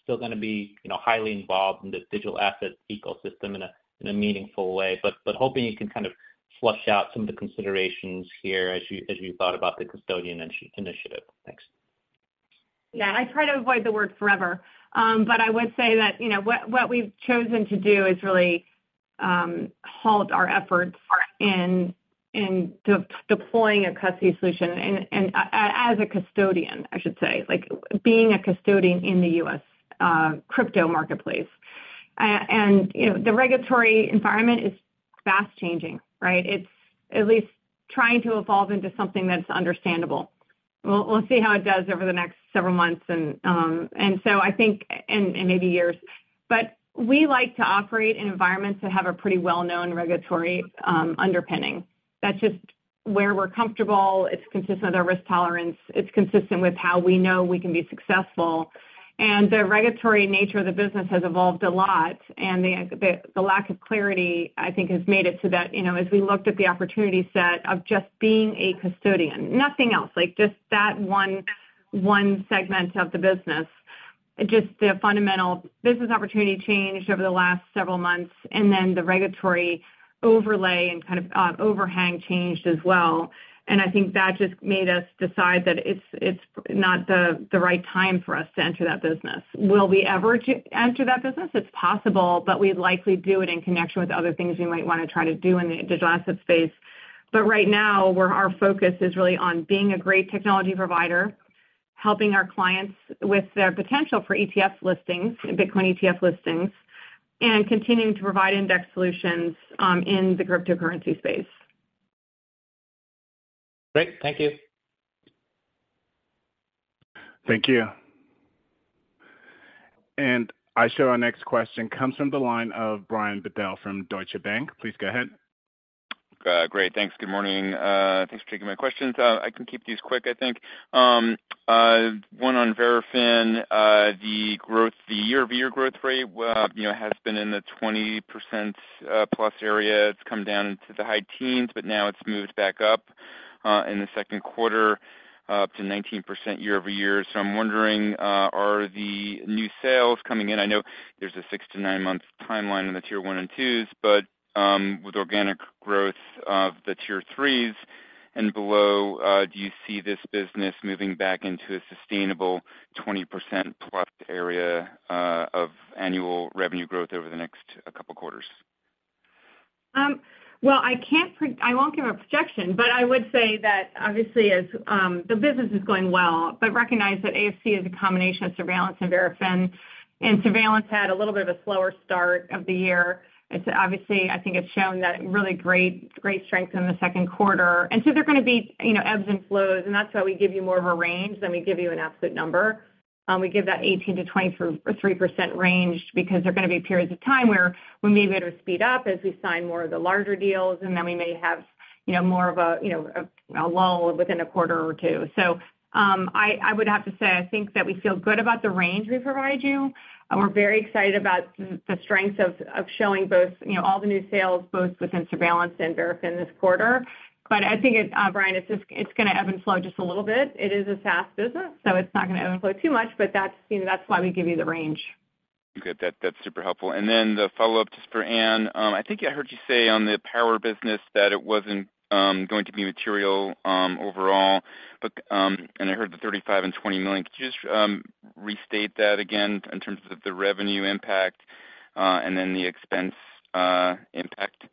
still gonna be, you know, highly involved in the digital assets ecosystem in a meaningful way, but hoping you can kind of flush out some of the considerations here as you, as you thought about the custodian initiative. Thanks. Yeah. I try to avoid the word forever. I would say that, you know, what we've chosen to do is really halt our efforts in deploying a custody solution and as a custodian, I should say, like, being a custodian in the U.S. crypto marketplace. You know, the regulatory environment is fast-changing, right? It's at least trying to evolve into something that's understandable. We'll see how it does over the next several months, I think, and maybe years. We like to operate in environments that have a pretty well-known regulatory underpinning. That's just where we're comfortable. It's consistent with our risk tolerance, it's consistent with how we know we can be successful. The regulatory nature of the business has evolved a lot, and the lack of clarity, I think, has made it so that, you know, as we looked at the opportunity set of just being a custodian, nothing else, like, just that one segment of the business, just the fundamental business opportunity changed over the last several months, and then the regulatory overlay and kind of overhang changed as well. I think that just made us decide that it's not the right time for us to enter that business. Will we ever to enter that business? It's possible, but we'd likely do it in connection with other things we might wanna try to do in the digital asset space. Right now, our focus is really on being a great technology provider, helping our clients with their potential for ETF listings and Bitcoin ETF listings, and continuing to provide index solutions in the cryptocurrency space. Great. Thank you. Thank you. I show our next question comes from the line of Brian Bedell from Deutsche Bank. Please go ahead. Great. Thanks. Good morning. Thanks for taking my questions. I can keep these quick, I think. One on Verafin, the growth, the year-over-year growth rate, well, you know, has been in the 20% plus area. It's come down into the high teens, but now it's moved back up in the second quarter to 19% year-over-year. I'm wondering, are the new sales coming in? I know there's a 6-9 month timeline in the Tier One and Twos, but, with organic growth of the Tier Threes and below, do you see this business moving back into a sustainable 20% plus area of annual revenue growth over the next couple quarters? Well, I won't give a projection, but I would say that obviously as the business is going well. Recognize that AFC is a combination of Surveillance and Verafin, and Surveillance had a little bit of a slower start of the year. It's obviously, I think it's shown that really great strength in the second quarter. There are gonna be, you know, ebbs and flows, and that's why we give you more of a range than we give you an absolute number. We give that 18%-23% range because there are gonna be periods of time where we may be able to speed up as we sign more of the larger deals, and then we may have, you know, more of a, you know, a lull within a quarter or two. I would have to say, I think that we feel good about the range we provide you, and we're very excited about the strength of showing both, you know, all the new sales, both within Surveillance and Verafin this quarter. I think it, Brian, it's just, it's gonna ebb and flow just a little bit. It is a fast business, so it's not gonna ebb and flow too much, but that's, you know, that's why we give you the range. Good. That's super helpful. Then the follow-up just for Ann. I think I heard you say on the Power business that it wasn't going to be material overall, but I heard the $35 million and $20 million. Could you just restate that again in terms of the revenue impact and then the expense impact?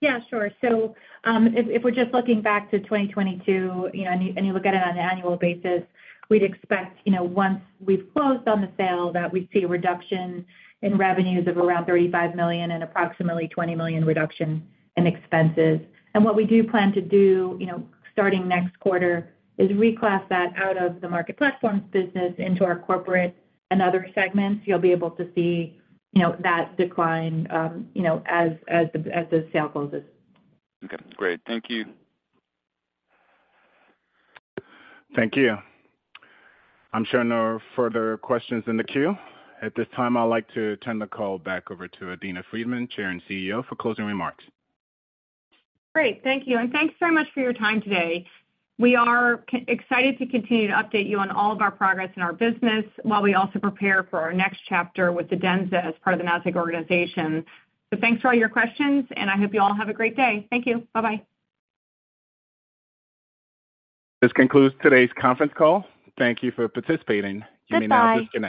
Yeah, sure. If we're just looking back to 2022, you know, and you look at it on an annual basis, we'd expect, you know, once we've closed on the sale, that we'd see a reduction in revenues of around $35 million and approximately $20 million reduction in expenses. What we do plan to do, you know, starting next quarter, is reclass that out of the Market Platforms business into our corporate and other segments. You'll be able to see, you know, that decline, you know, as the sale closes. Okay, great. Thank you. Thank you. I'm showing no further questions in the queue. At this time, I'd like to turn the call back over to Adena Friedman, Chair and CEO, for closing remarks. Great. Thank you, and thanks very much for your time today. We are excited to continue to update you on all of our progress in our business, while we also prepare for our next chapter with Adenza as part of the Nasdaq organization. Thanks for all your questions, and I hope you all have a great day. Thank you. Bye-bye. This concludes today's conference call. Thank Thank you for participating. Bye-bye. You may now disconnect.